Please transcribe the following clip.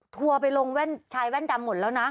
ทัวร์ไปลงชายแว่นดำหมดแล้วนะ